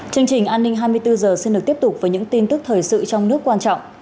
chương trình an ninh hai mươi bốn h xin được tiếp tục với những tin tức thời sự trong nước quan trọng